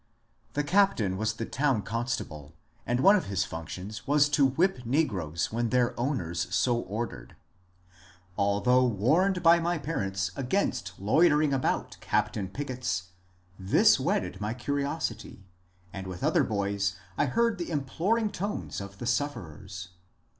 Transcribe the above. The cap tain was the town constable, and one of his functions was to whip negroes when their owners so ordered. Although warned by my parents against loitering about ^* Captain Pickett's," this whetted my curiosity, and with other boys I heard the CAPTAIN PICKETT 29 imploring tones of the suffereni.